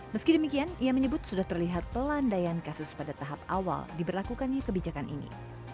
meski demikian ia menyebut sudah terlihat pelandaian kasus pada tahap awal diberlakukannya kebijakan ini